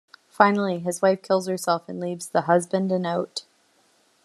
Finally his wife kills herself and leaves the husband a note.